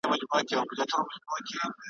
ځان به خلاص کړو له دریم شریک ناولي `